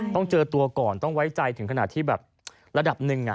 ต้องเจอตัวก่อนต้องไว้ใจถึงขนาดที่แบบระดับหนึ่ง